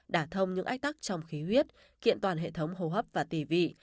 đả thông những ách tắc trong khí huyết kiện toàn hệ thống hồ hấp và tỉ vị